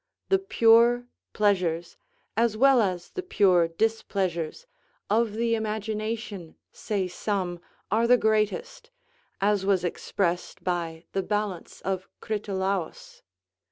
The pure pleasures, as well as the pure displeasures, of the imagination, say some, are the greatest, as was expressed by the balance of Critolaiis.